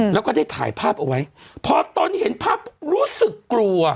แล้วก็ได้ถ่ายภาพเอาไว้พอตนเห็นภาพรู้สึกกลัว